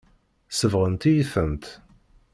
Sebɣent-iyi-tent.